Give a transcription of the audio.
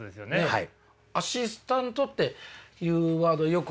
はい。